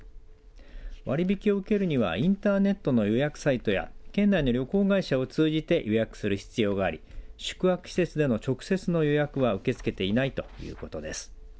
割引を受けるにはインターネットの予約サイトや県内の旅行会社を通じて予約する必要があり宿泊施設への直接の予約は受け付けていないということです。